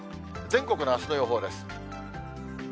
全国のあすの予報です。